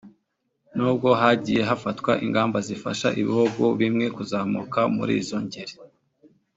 nubwo hagiye hafatwa ingamba zifasha ibihugu bimwe kuzamuka muri izo ngeri